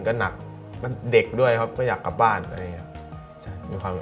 วันที่นั้นผมแบบไม่วิ่ง